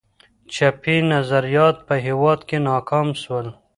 چپي نظریات په هېواد کي ناکام سول.